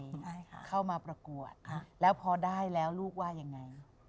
ใช่ค่ะเข้ามาประกวดแล้วพอได้แล้วลูกว่ายังไง